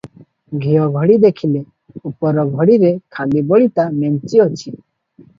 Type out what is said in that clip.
ଘିଅଘଡ଼ି ଦେଖିଲେ ଉପର ଘଡ଼ିରେ ଖାଲି ବଳିତା ମେଞ୍ଚି ଅଛି ।